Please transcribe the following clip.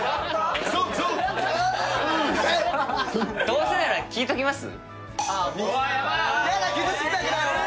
どうせなら聞いときます？